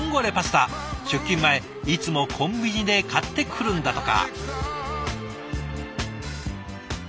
出勤前いつもコンビニで買ってくるんだとか。